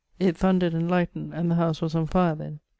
It thundered and lightened and the house was on fire then.